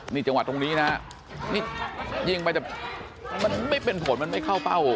นี่จังหวะตรงนี้นะฮะนี่ยิงไปแต่มันไม่เป็นผลมันไม่เข้าเป้า